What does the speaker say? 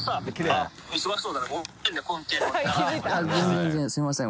全然すみません